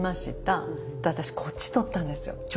私こっち取ったんですよ。